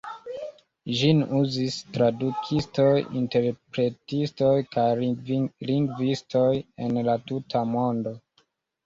Ĝin uzis tradukistoj, interpretistoj kaj lingvistoj en la tuta mondo.